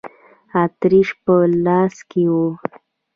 د اتریش په لاس کې و.